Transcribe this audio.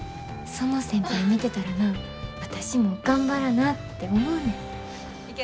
その先輩見てたらな私も頑張らなて思うねん。